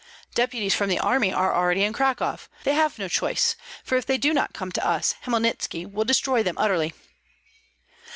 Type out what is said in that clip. "Deputies from the army are already in Cracow. They have no choice, for if they do not come to us Hmelnitski will destroy them utterly."